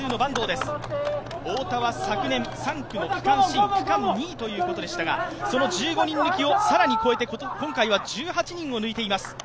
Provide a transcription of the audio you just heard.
太田は昨年３区の区間新、区間２位ということでしたが、その１５人抜きを更に超えて今回は１８人を抜いています。